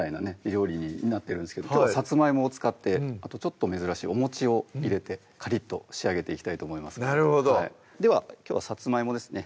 料理になってるんですけどきょうはさつまいもを使ってあとちょっと珍しいもちを入れてカリッと仕上げていきたいと思いますなるほどではきょうはさつまいもですね